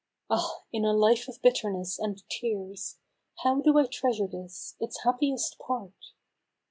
Ah ! in a life of bitterness and tears How do I treasure this — its happiest part